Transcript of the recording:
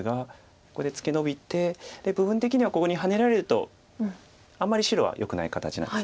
ここでツケノビて部分的にはここにハネられるとあんまり白はよくない形なんです。